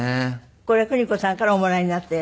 これ邦子さんからおもらいになったやつなの。